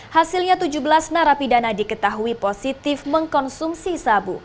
hasilnya tujuh belas narapidana diketahui positif mengkonsumsi sabu